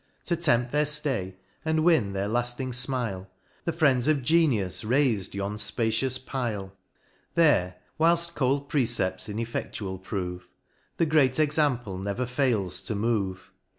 To tempt their ftay, and win their lafting fmile. The Friends of Genius rais'd yon fpacious Pile :* There, whilft cold precepts ineffedual prove, The great example never fails to move.